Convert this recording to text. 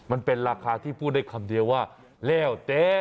มันเป็นราคาที่พูดได้คำเดียวว่าแล้วเจ๊